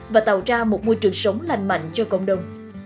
và tạo ra một môi trường sống lành mạnh cho cộng đồng